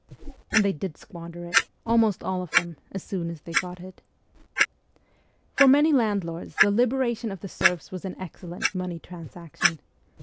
And they did squander it, almost all of them, as soon as they got it. For many landlords the liberation of the serfs was an excellent money transaction.